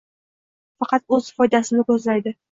Faqat o`z foydasini ko`zlaydi